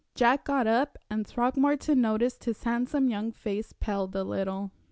Jack got up, and Throckmorton noticed his handsome young face paled a little.